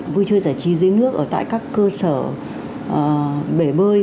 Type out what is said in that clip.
vui chơi giải trí dưới nước ở tại các cơ sở bể bơi